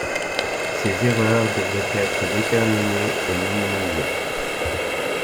Ces erreurs devaient être déterminées et minimisées.